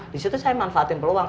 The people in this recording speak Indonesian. disitu saya manfaatin peluang